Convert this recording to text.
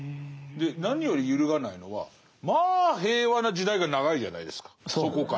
何より揺るがないのはまあ平和な時代が長いじゃないですかそこから。